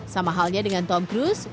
sama halnya dengan tom cruise